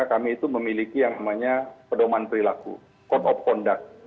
kami itu memiliki yang namanya pedoman perilaku code of conduct